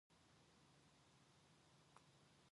일포는 담배 꼬투리를 얻어 가지고 빙긋이 웃었다.